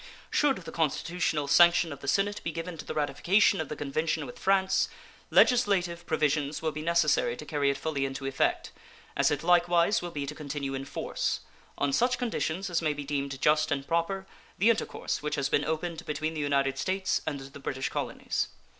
Should the constitutional sanction of the Senate be given to the ratification of the convention with France, legislative provisions will be necessary to carry it fully into effect, as it likewise will be to continue in force, on such conditions as may be deemed just and proper, the intercourse which has been opened between the United States and the British colonies.